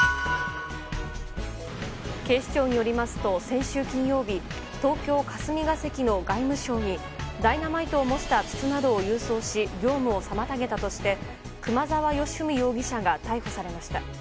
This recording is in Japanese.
警視庁によりますと先週金曜日東京・霞が関の外務省にダイナマイトを模した筒などを郵送し業務を妨げたとして熊沢良文容疑者が逮捕されました。